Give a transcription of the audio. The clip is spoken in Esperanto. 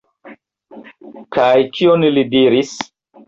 Kaj kion li diris?